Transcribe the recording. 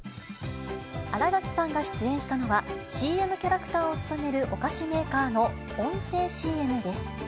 新垣さんが出演したのは、ＣＭキャラクターを務めるお菓子メーカーの音声ＣＭです。